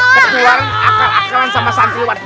ketularan akal akalan sama santiwan